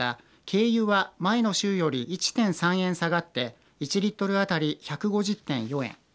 軽油は前の週より１．３円下がって１リットル当たり１５０．４円